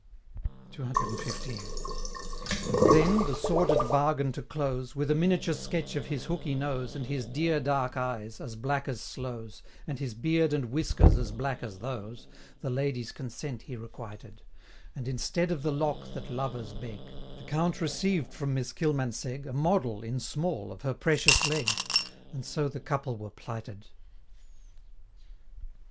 CCXV. And then the sordid bargain to close With a miniature sketch of his hooky nose, And his dear dark eyes, as black as sloes, And his beard and whiskers as black as those, The lady's consent he requited And instead of the lock that lovers beg, The Count received from Miss Kilmansegg A model, in small, of her Precious Leg And so the couple were plighted!